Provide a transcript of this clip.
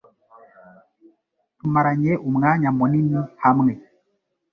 Tumaranye umwanya munini hamwe.